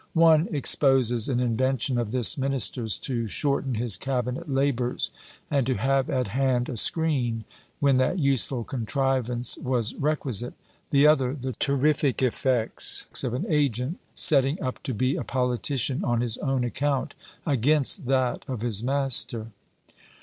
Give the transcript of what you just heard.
One exposes an invention of this minister's to shorten his cabinet labours, and to have at hand a screen, when that useful contrivance was requisite; the other, the terrific effects of an agent setting up to be a politician on his own account, against that of his master.